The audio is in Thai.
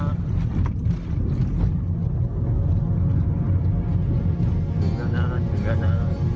ถึงแล้วนะถึงแล้วนะ